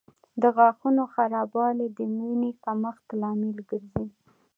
د غاښونو خرابوالی د وینې کمښت لامل ګرځي.